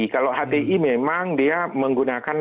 kalau hti memang dia menggunakan